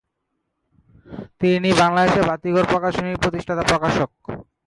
তিনি বাংলাদেশের বাতিঘর প্রকাশনীর প্রতিষ্ঠাতা প্রকাশক।